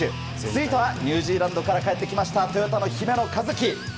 続いては、ニュージーランドから帰ってきたトヨタの姫野和樹。